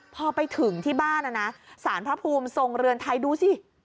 พอไปถึงที่บ้านนะนะสารพระภูมิทรงเรือนไทยดูสิ